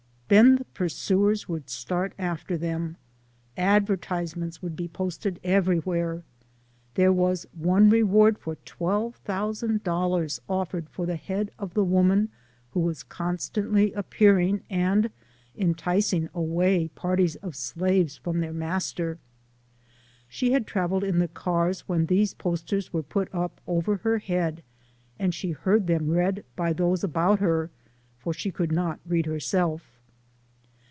Then the pursuers would start after them. Advertisements would be posted everywhere. There was one reward of $12,000 offered for the head of the woman who \vus constantly appearing and enticing away parties of slaves from their master. She had traveled in the cars when these posters were put up over her head, and she heard them read by those about her for she could not read herself.